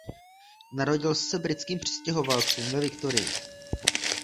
Narodil se britským přistěhovalcům ve Victorii.